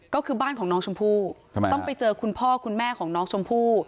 ก็คือบ้านของน้องชมพู่ทำไมต้องไปเจอคุณพ่อคุณแม่ของน้องชมพู่